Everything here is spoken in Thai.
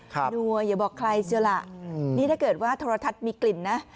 นัวอย่าบอกใครเสียล่ะนี่ถ้าเกิดว่าโทรทัศน์มีกลิ่นนะ